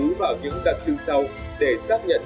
cho những đặc trưng sau để xác nhận